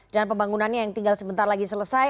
dan pembangunannya yang tinggal sebentar lagi selesai